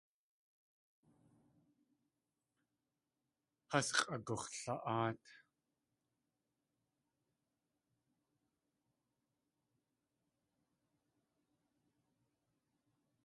Has x̲ʼagux̲la.áat.